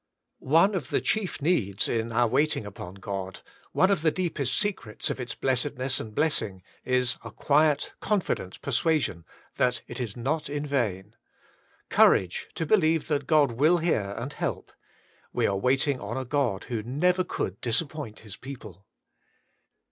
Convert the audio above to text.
* One of the chief needs in our waiting upon God, one of the deepest secrets of its blessedness and blessing, is a quiet, confident persuasion that it is not in vain; courage to 46 WAITING ON GODl believe that God will hear and help; we are waiting on a Grod who never could disappoint His people.